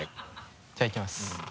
じゃあいきます。